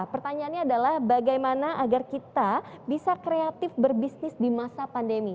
pertanyaannya adalah bagaimana agar kita bisa kreatif berbisnis di masa pandemi